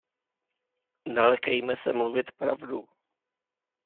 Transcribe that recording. Nelekejme se mluvit pravdu.